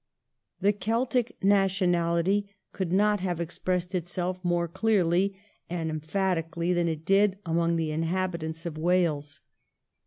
The Celtic nationality could not have expressed itself more clearly and emphatically than it did among the inhabitants of Wales.